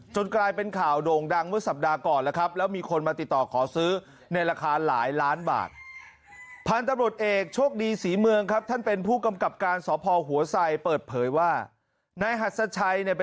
จนกลายเป็นข่าวโด่งดังเมื่อสัปดาห์ก่อนแล้วครับ